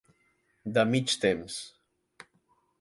De mig temps.